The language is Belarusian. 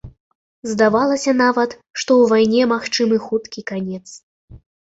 Здавалася нават, што ў вайне магчымы хуткі канец.